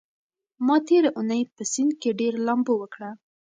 ما تېره اونۍ په سيند کې ډېره لامبو وکړه.